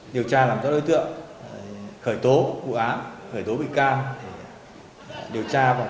điều tra làm cho đối tượng khởi tố vụ án khởi tố bị can